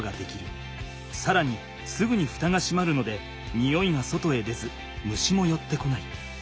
さらにすぐにフタがしまるので臭いが外へ出ず虫もよってこない。